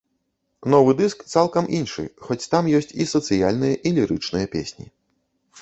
Новы дыск цалкам іншы, хоць там ёсць і сацыяльныя, і лірычныя песні.